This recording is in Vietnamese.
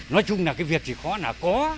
nói chung là việc chỉ có